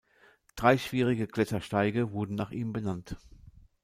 Drei schwierige Klettersteige wurden nach ihm benannt.